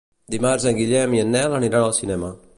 Dimarts en Guillem i en Nel aniran al cinema.